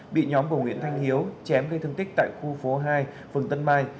bị nhóm của nguyễn thanh hiếu chém gây thương tích tại khu phố hai phường tân mai